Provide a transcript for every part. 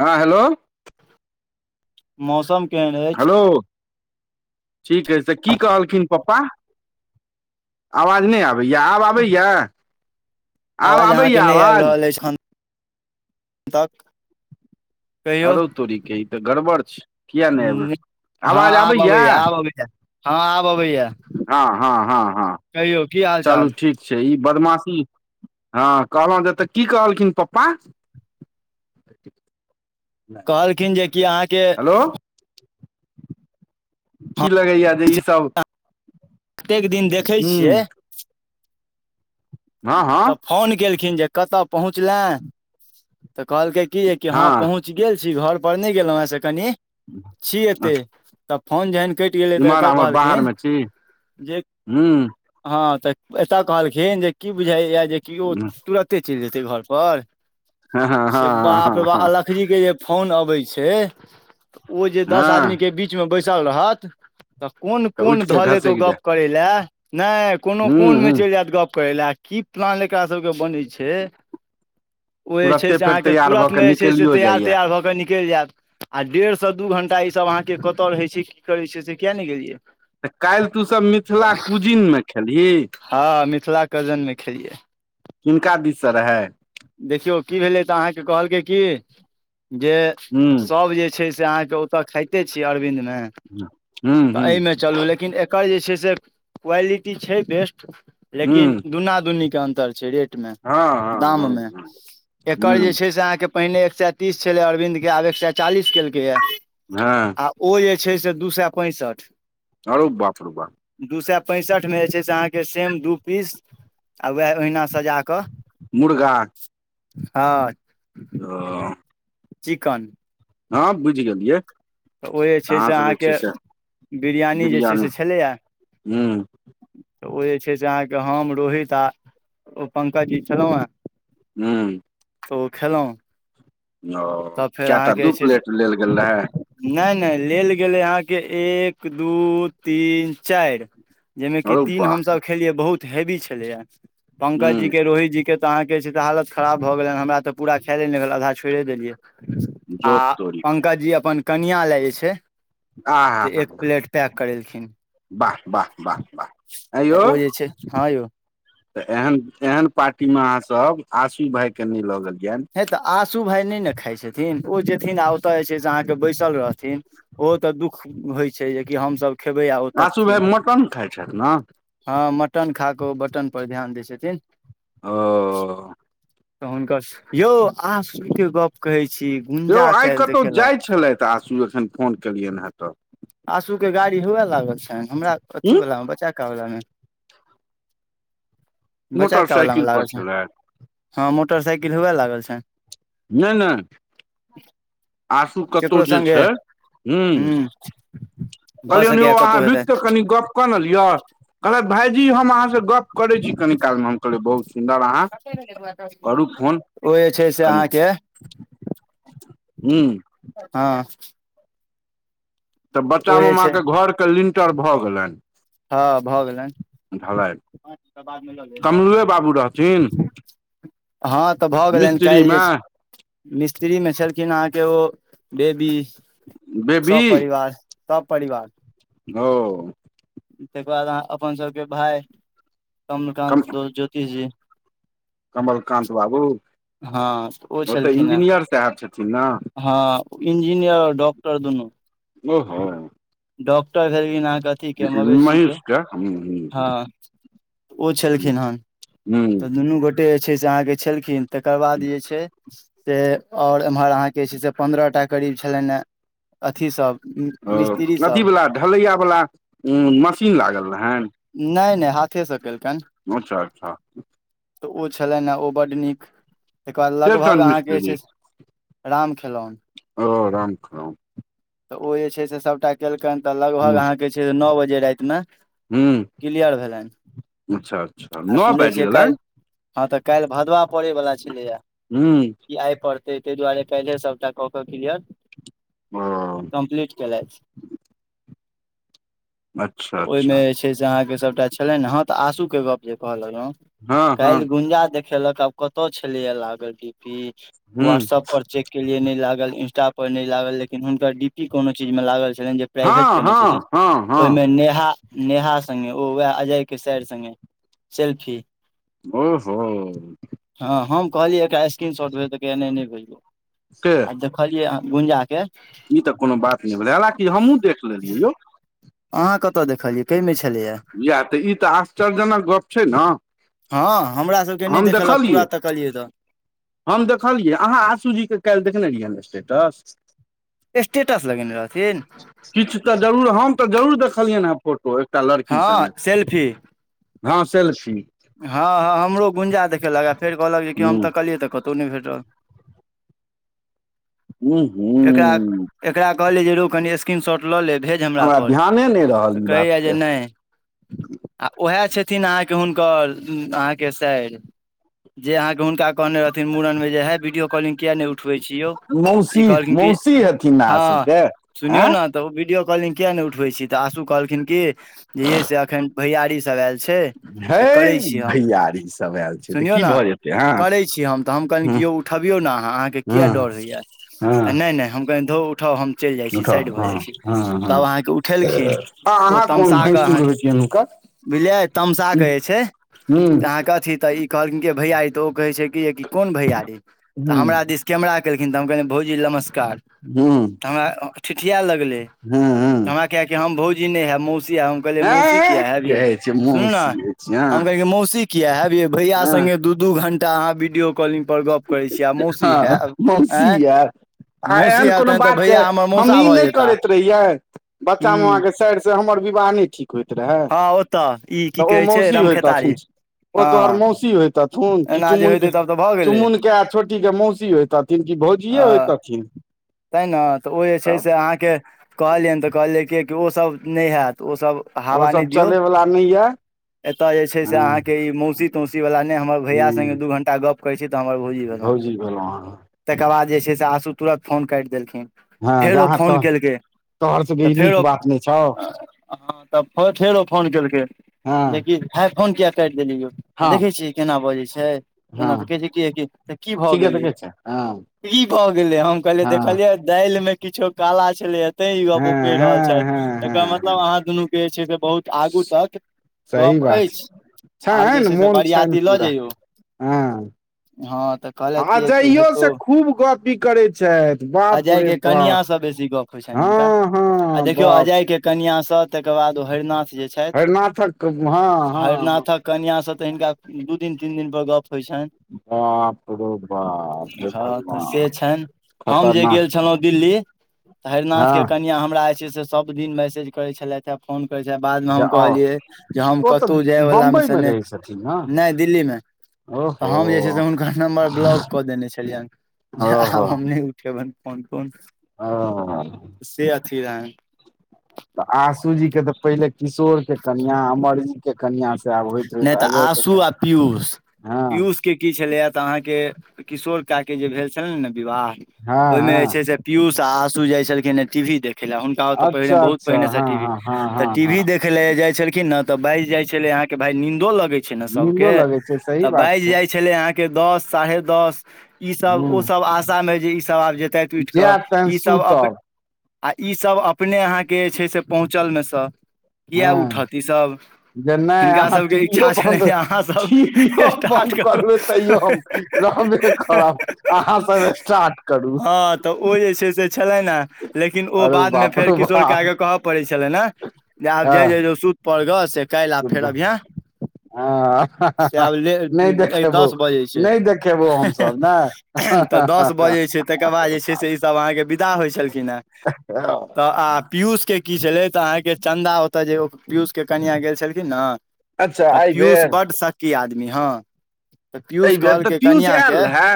हँ हेलो मौसम केनए हेलो ठीक ऐछ तऽ की कहलखिन पप्पा आवाज नय आ वेया आब आबैया आब आवाज अहाँके आबैया नहि आबि आवाज रहल अछि एखन तक कहियौ आरो तोरीके ई तऽ गड़बड़ छै किया नहि आबि रहल? हँ आवाज आब आबैए अबैय आब अबैए हँ आब अबैय हँ हँ हँ हँ हाल चलू चाल ठीक छै ई बदमाशी हँ कहलोहु जेतऽ की कहलखिन पप्पा [inaudible] कहलखिन जेकि अहाँके हेलो हम की लगैया जे ईसभ कतेक दिन देखै छियै हँ हँ तऽ फोन केलखिन जे कतऽ पहुँचले तऽ कहलकै कि की हँ पहुँच इच गेल छी घर पर नय गेलोह से कनि छी एते तऽ फोन जेहन कटि गेलै तऽ इम्हर एतऽ आम्हर कहलखिन बाहरमे छी जे हूँ हँ तऽ एतय कहलखिन जे की बुझाइए जे कि ओ तुरत ते चेल जेतै घर पर हँ हँ से हँ बाप रे हँ बाप हँ लकजी के जे फोन अबै छै तऽ ओ जे दस हँ आदमीके बीचमे बैसल रहत तऽ कोन तऽ कोन उठि कऽ धऽ लेतो घसकि गप्प जाय करय लए नय कोनो हूँ कोनमे हूँ चेल जायत गप्प करै लए की प्लान एकरा सबके बनै छै ओ जे छै तुरते से फेर अहाँके तैयार भऽ के तुरन्तमे जे छै से निकलियो तैयार जाइया तैयार भऽ कऽ निकेल जायत आ डेढ़ से दू घंटा ईसभ अहाँके कतऽ रहै छै की करै छै से किया ने गेलियै तऽ काल्ह तूसभ मिथिला कुजिनमे खेलही हँ मिथिला कजन मे खेलियै किनका दिस से रहै देखियौ की भेलै तऽ अहाँके कहलकै की जे हूँ तब जे छै से अहाँ त ओत खाइते छी अरविन्द मे हूँ तऽ हूँ एमे चलु लेकिन एय एकर जे छै से क्वालिटी छै बेस्ट हूँ लेकिन दुन्ना दुनीके अन्तर छै रेट रेट में हँ हँ दाम में हँ एकर हूँ जेछै से अहाँ के पहिने एक सए तीस छलै अरविन्द के आब एक सए चालीस केलकैया हँ ओ जे छै से दू सए पैंसठ आरू बापरू बाप दू सए पैंसठमे जे छै से अहाँके सेम दू पीस आ वएह ओहिना सजा कऽ मुर्गा हँ [unintelligible] चिकन हँ बुझ गेलियै तऽ ओ जे छै अहाँ से सब जे छै अहाँके से बिरयानी जे छै बिरियानी से छलैय हूँ तऽ ओ जे छै से अहाँकेँ हम रोहित आ ओ पंकजी छलहुँ हेँ हूँ। तऽ ओ खेलहुँ ओ तब फेर कएटा अहाँकेँ दू जे छै से प्लेट लेल गेल रहै नहि नहि लेल गेलै अहाँकेँ एक दू तीन चारि जामे क हौ तीन वाह हम सभ खेलियए बहुत हेवी छले यै पंकजी हूँ के रोहित जी के। तऽ अहाँकेँ छै से हालत खराब भऽ गेल हमरा तऽ पूरा खाये नहि गेल आधा छोड़ि देलियै। आ जोत तोरी पंकज जी अपन कनिया लए जे छै। आँ से हँ एक प्लेट पैक करेलखिन वाह वाह वाह अए तऽ यौ ओ जे छै हँ यौ तऽ एहन एहन पार्टीमे अहाँ सभ आसु भाई के नहि लऽ गेलियनि हे तऽ आसू भाय नहि ने खाइ छथिन ओ जेथिन आ ओतऽ जे छै से अहाँकेँ बैसल रहथिन ओहो तऽ दुख होई छै जेकि हम सभ खेबै आ ओ आशू भाय तकथिन। मटन खाइ छथि ने ह मटन खा कऽ ओ बटन पर ध्यान दै छथिन। ओ तऽ हुनकर यौ अहाँ सुने गप कहै छी। ये गुंजा आई काल्हि कतहु देखेलक जाई छलथि तऽ जाय एखन फोन केलियनि हे तऽ। आसू के गाड़ी हुए लागल छनि हमरा अथी हूँ वला मे बचाका वला मे बचाकावलामे मोटरसाइकिल पर लागल छै छलथि हँ मोटरसाइकिल हुए लागल छै नहि नहि आसू कतहु केकरो जे संगे छै हु हूँ भऽ कहलियौनि यौ सकैया अहाँ कतहु रुकि कऽ हेतनि कनि गप कनलियए कहलक भाई जी हम अहाँ से गप करे छी कनी कालमे हम कहलै बहुत सुन्दर अहाँ करू फोन ओ जे छै से अहाँकेँ हू। ह तऽ बच्चा जे मामा छै के घर के लिटर भऽ गेलनि ह भऽ गेलनि ढालाय। ह बादमे लऽ ले रहथिन [unintelligible] ह तऽ भऽ गेलैन काल्हि जे मिस्त्रीमे मिस्त्री मे छलखिन अहाँकेँ ओ बेबी बेबी सपरिवार सभ परिवार ओ। तकर बाद अपन सभके भाय कम कमलकान्त दो ज्योतिषजी कमलकान्त बाबू हँ तऽ ओ तऽ इंजीनियर साहेब छथिन न ह इंजीनियर आऔर डॉक्टर दुनू ओहो। डॉक्टर छल कि कथी ह महिष के हु हू हँ ओ छलखिन हन हू तऽ दुनू गोटे जे छै से अहाँकेँ छलेलखिन तकर बाद जे छैय से आओर एम्हर अहाँकेँ जे छै से पन्द्रहटा करीब छलनि हे अथीसभ ओ अथी वाला ढलैय वाला उ मशीन लागल रहन नहि नहि हाथेस केलकनि अच्छा अच्छा। तऽ ओ छलनि हे ओ बड्ड नीक तकर बाद के छनि लगभग अहाँकेँ मिस्त्री जे छै राम खेलौन। ओ रामाखेलौन तऽ ओ जे छै से सभटा केलकैन तऽ लगभग हुँ अहाँकेँ छै से नो बजे राइतमे किलीयर भेलैन अच्छऽ अच्छऽ नो बैज गेलैन हँ तऽ काइल भदवा पेरेवला छलैय हुँ कि आइ पर तैय तैहि दुआरे काइले सभटा कऽ कऽ किलीयर ओ कंपलीट केलैथ तऽ अच्छा ओइमे अच्छा छै से अहाँकेँ सबटा छलैन हँ तऽ आसू केँ गप जे कहऽ लगलौ हँ हँ काइल गुंजा देखेलक आब कतह छलै यऽ लागल डी पी हुँ व्हाट्सअप पर चेक केलिये नय लागल इंस्टा पर नय लागल लेकिन हुनकर डी पी कोनो चीज मे लागल छलैल जे प्राइवेट हँ केने हँ छथिन हँ हँ ओहिमे नेहा नेहा संगे ओ वैह अजय केँ सैर संगे सेल्फी ओ हो हँ हम कहलियै एकरा स्क्रीन शॉट भेज तऽ कहैय यऽ नय नैय भेजबै के आ जब कहलियै हँ गुंजा केँ ई तऽ कोनो बात नइ भेले हालकि हमहुँ देख लेलियै यौ अहाँ कतऽ देखलियै कई मे छलैय यैह ई तऽ आश्चर्यजनक गप छै नऽ हँ हमरा सब हम देखलियै हम देखलियै अहाँ आसूजीकेँ काइल देखने रहियै स्टेटस स्टेटस लगेने रहथिन किछ तऽ जरूर हम तऽ जरूर देखलियैन हे फोटो एकटा लड़की हँ संगे सेल्फी हँ सेल्फी हँ हँ हमरो गुंजा देखेलक आ फेर कहलक जे कि हम हूँ ताकलियै तऽ कतहु नय भेटल हूँ एकरा हूँ एकरा कहलै जे रो कनि स्क्रीन शॉट लऽ ले भेज दे हमरा पर ध्याने नहि रहल तऽ ई कहै बात यऽ के जे नैय आ ओहै छथिन अहाँकेँ हुनकर अहाँकेँ साइर जे अहाँकेँ हुनका कहने रहथिन मूड़नमे जे हइ वीडियो कॉलिंग किया नइ उठबै छी यौ ई मौसी कहलखिन की मौसी हेथिन ने हँ आशू के सुनियौ आँय नऽ तऽ ओ वीडियो कॉलिंग किया नय उठबै छी तऽ आसू कहलखिन की जे यै अखैन भैयारी सब आयल छै से करै हे छी हम भैयारी सब आयल छै तऽ सुनियै की नऽ भऽ जेतै हँ करै छी हम तऽ हम कहलियै कि हँ यौ उठबियौ नऽ अहाँ अहाँकेँ किए हँ डर होइ यऽ तऽ हँ नय - नय हम कहलियै धो उठाउ हम चैल जाइ छी साइड उठह भऽ हँ जाइ छी हँ हँ तब अहाँकेँ उठेलखिन आ ओ अहाँ कोन तमसा कऽ भैंसुर अहाँ होइ छियनि हुनकर बुझलियै तमशा हूँ कऽ जे छै से हूँ अहाँ कऽ अथी तऽ ई कहलखिन कि भैयारी तऽ ओ कहै छै कि यै कोन भैयारी तऽ हूँ हमरा दिस कैमरा केलखिन तऽ हम कहलियै भौजी नमस्कार हुँ तऽ हमरा ठिठिआ लगलै तऽ हूँ हमरा कहैक कि हम भौजी नय हैब मौसी हैब कहलियै मौसी एँ किया हैब यै कहै छै सुनु मौसी न अछि हम हँ कह मौसी किया हैब यै भैया हँ संगे दू दू घण्टा अहाँ वीडियो कॉलिंग पर गप करै छी आ मौसी हँ हैब मौसी आँय यै आ मौसी एहन हैब कोनो तहन तऽ बात छै। भैया हमर मौसा हमही भऽ नहि जेता करैत रहियै बच्चा मे हूँ अहाँके साइर से हमर विवाह नहि ठीक होइत रहए हँ ओतऽ ई तऽ की ओ कहै छै मौसी रमखेतारी होइतथिन। ओ हँ तोहर मौसी होइतथुन। कि एना जे चुमुन होेइतै के तब तऽ भऽ गेलै चुमुन के आ छोटी के मौसी होइतथिन कि भौजीए होइतथिन। तँहें तऽ ओ जे छै। तब से अहाँकेँ कहलियनि तऽ कहलियै कि ओ सभ नहि हैत ओ सभ ओ सभ चलयवला नहि यए एतय जे छै। से अहाँ के ई मौसी तौसी वाल ने हमर भैया संगे हूँ दू घंटा गप करैत छी तऽ हमर भौजी भेलीह भौजी भेलीह अहाँ। तेकर बाद जे छै। से आसू तुरते फोन काटि देलखिन हँ जे फेर ओ अहाँ फोन तोह केलकै तोहर सबके तऽ ई नीक फेरो बात नहि छौ हँ तऽ फेरो फोन केलखिन। हँ जेकि है फोन किया काटि देलीयै। तऽ देखैत हँ छियै केना बजैत छै। हँ नबके छै। किया कि तऽ कि भऽ ठीके तऽ गेलै कहै छै हँ ई भऽ गेलै हम कहलियै हँ देखलियै दालि में किछो काला छलैए। तैं गप हँ ओ कहि रहल हँ छथि। हँ एकर हँ हँ मतलब अहाँ दुनू के जे छै। से बहुत आगू तक सही गप्प बात छै अछि आब जे छनि छै। से मोन छनि बरियती लऽ पूरा जइयौ हँ हँ तऽ आ कहलथि कि कि जाइयो हेतौ से खूब गपी करे छथिन। अजय के कनियाँ सँ बेसी गप होइ छनि हिनका हँ आ हँ देखियौ बाप अजय के कनिया से तेकर बाद ओ हरिनाथ। जे छथि हरिनाथक हँ हा हरिनाथक कनिया सऽ तऽ हिनका दू दिन तीन दिन पर गप। होइ छनि बाप रौ बाप हे हँ तऽ भगवान से छनि। हम जे खतरनाक गेल छलहुँ दिल्ली तऽ हरिरिनाथ हँ के कनिआ हमरा जे छै। से सभ दिन मैसेज करै छलथि। फोन करै छै। बाद में जे हम आउ कहलियै जे हम ओ तऽ कतहु जायवला में बम्बई स मे नहि रहै छथिन ने नहि दिल्ली में तऽ ओहो हम जे छै। से हुनकर नम्बर ब्लॉक कऽ देने छलियनि जे आब ओहो हम नहि उठ बन फन कोन। हा से अथी रहै। तऽ आशू जी के तऽ पहिले किशोर के कनिय अमरजी के कनियाँ से आब होइत नहि तऽ आशू हो आ पीयूष हा पीयूष के की छलैया तऽ अहाँके किशोर क के जे भेल छले ने विवाह हँ ओहि में जे हँ छै। से पियूष आ आशु जाय छलखिन ह टी वी देखे ले हुनका ओ त पहिने अच्छा बहुत अच्छा पहिने से हँ टीवी हँ हँ तऽ हँ टीवी हँ देख ले जाय छलखिन न तऽ बाजि जाय छले अहा के भायई नंन्दो लगे छै। छै। ने सभ नीन्दो के लगै छै सही तऽ बात बाज जाइ छै। छले अहाँके दस साढ़े दस ई सभ ओ हूँ सभ आशा मे जे ई सभ आब जेतै टुटि कऽ जैब तहन ई सभ अपने सुतब आ ई सभ अपने अहाँके जे छै। से पहुँचल मे सँ किएक हँ उठत ई सभ जे नहि अहाँ टीवी बन्द अहाँ सब टीवी स्टार्ट बन्द करू करबै तैयो हम रहबे खराब अहाँ सभ स्टार्ट करू हँ तऽ ओ जे छै। से छलै ने लेकिन ओ अरे बाद में बाप फेर रौ किशोर कए बाप कऽ कहब पड़ै छलै ने जे आब जा ज हँ जो सुत पड़ ग से काल्हि आब फेर अभिय हँ से आब ले नहि एक देखेबौ दस बजे छै। नहि देखेबो हमसभ ने तऽ दस बजे छै। तकर बाद जे से सभ अह विदा होइ छलखिन। ह त पष के की छलै तऽ अहाँके चन्दा ओतय जे पियूसके कनआ गेल छलखिन नऽ अच्छा तऽ एहि पीयूष बेर बड शकी आदमी हँ तऽ पीियूष एहि बेर तऽ कहलकै पीयूष आयल कनिआँके रहए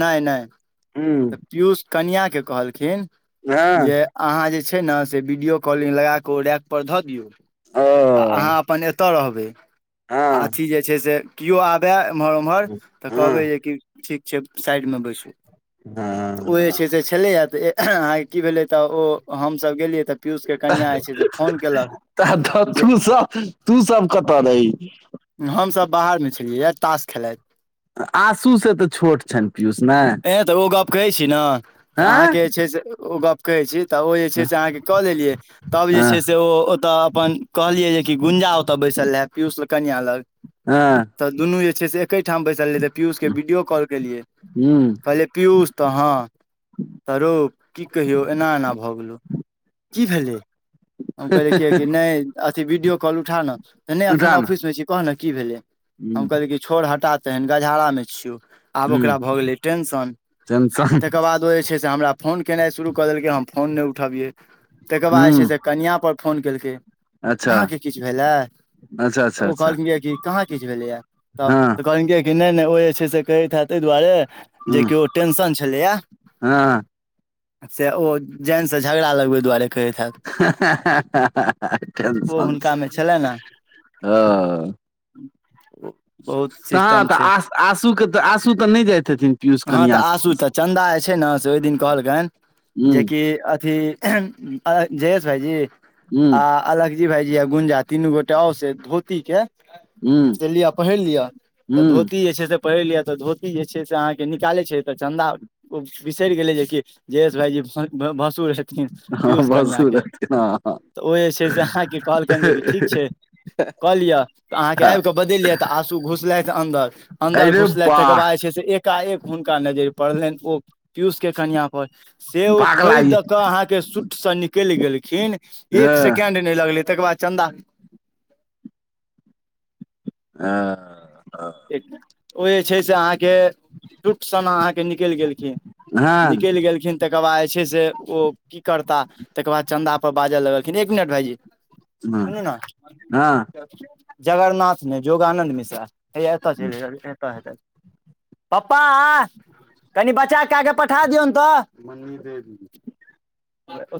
नहि नहि ह तऽ पीयूष कन्य के कहलखिन हँ जे अहाँ जे छै ने से वीडियो कॉलिंग लग कऽ ओ रैक पर धऽ दियौ ओ आ अहाँ अपन एतय रहबै हँ अथिी जे छै से किओ आबय एम्हर ओम्हर तऽ हँ कहबै जे कि ठीक छै साइडमे बैसू तऽ ओ जे हँ छै से छलैया तऽ अहाँके की भेलै तऽ ओ हमस गेलियै तऽ पीयूष के कनिया जे छै से फोन केलक तऽ जे तू सब तू सब कतऽ रहहिी हमसभ बाहरमे छलियै हऽ ताास खेलाथि आशू से तऽ छोट छनि पीयूष ने ऐ तऽ ओ गप कहै छी नऽ तऽ हँ अहाँके जे छै से ओ गप [unintelligible] ओ जे छैय हँ से कय लेलये तब ओ जे हँ से अपन कहलिए कि कि गुंजा ओतय बैसल रहे पियूष लग कनिया लग हँ तऽ दुनू जे छै से एकेठाम बैसल रहेत पीयूषके वीडियो कॉल केलियै कहलिै पीयूष तऽ हँ तऽ रौ की कहियौ एना एना भऽ गेलौ की भेलै हम कहलिय कि कि नहि अथिी वीडियो कॉल उठा नऽ तऽ नहि एखन उठा न ऑफिस मऽ छी कह ने की भेलै हम ह कहलै कि छोड़ हटा तहन गजारा मे छियौ आब ह ओकरा भए गेलै टेंशन टेंशन तकर बाद [unintelligible] हमरा फोन केनाइ शुरू कऽ देलकै हम फोन नहि उठबियै तकर बाद जे ह छै कनिआँ पर फोन केलकै अच्छा भेलै अच्छा तऽ अच्छा ओ अच्छा कहलखिन कहाँ किछु भेलैय तऽ हँ कहलकैन नहि नहि ओ जे छै से कहैत हायत एहि दुआरे। ह जे किओ टेंशन छलैऐ। हँ से ओ जनसँ झगड़ा लगबै दुआरे कहैत हैत [unintelligible] टेंशन छै [unintelligible] छलै नऽ ओ तऽ तऽ आ आशूके तऽ आँसू तऽ नहि जाइत हेथिन पीयूष हँ कन्यास। तऽ आसू तऽ चन्दा जे छै ने, से ओहि दिन कहलकनि हूँ जेकि अथी जयेश भाईजी आ हूँ अलकजी भाइजी या गुंजा तीनू गोटा आओ से धोती के हूँ [unintelligible] पहिर लियअ तऽ हूँ धोती जे छै से पहिर लिअ तऽ धोती जे छै से अहाँकेँ निकालैत छै तऽ चन्दा ओ बिसरि गेलै जेकि जयेश भााय जी भसुर रहथिन हँ पीयूष कनिया बसु के रहथिन हँ हँ तऽ ओ जे छै से अहाँके कहलके जेन ठिक छै कहलिये तऽ अहाँकेँ हँ। आब के बदलिये तऽ आँसू घुसलथि अन्दर-अन्दर अरे घुसलथि तकर वाह बाद से एकाएक हुनका नजरि पड़लनि ओ पियूष के कनिया से ओ भागला कऽ ई दऽ अहाँकेँ सूट सऽ निकलि गेलखिन एक हँ सेकेंड नहि लगल तकर बाद चन्दा आ एक ओ जे छै से अहाँकेँ टूप सना अहाँकेँ निकलि गेलखिन, हँ निकलि गेलखिन। तकर बाद जे छै से ओ की करता तकर बाद चन्दा पर बाजऽ लगलखिन एक मिनट भाईजी सुनू ने हँ जगरनाथ मे योगानन्द मिश्रा हैये एतऽ चलि एतऽ हेतै पप्पा आ कनि बच्चा के आगे पठा दियौन तऽ [inaudible]